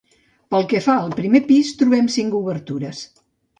Pel que fa al primer pis, trobem cinc obertures.